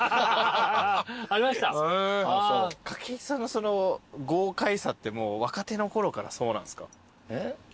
筧さんのその豪快さって若手のころからそうなんですか？